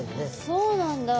そうなんだ。